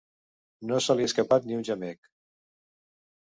No se li ha escapat ni un gemec.